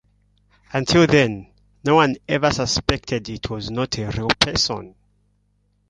Until then, no one ever suspected it was not a real person.